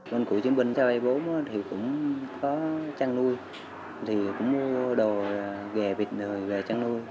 con cụ chiến binh cho bà bố thì cũng có trang nuôi thì cũng mua đồ ghè vịt rồi ghè trang nuôi